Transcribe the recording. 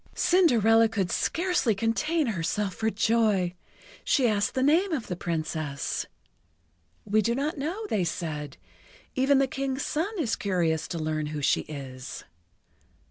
Cinderella could scarcely contain herself for joy. She asked the name of the Princess. "We do not know," they said. "Even the King's son is curious to learn who she is."